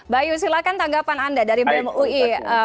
bayu silakan tanggapan anda dari bem ui